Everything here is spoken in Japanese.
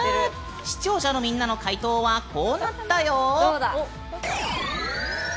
視聴者のみんなの解答は、こうなったよ。